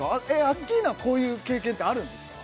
アッキーナはこういう経験ってあるんですか？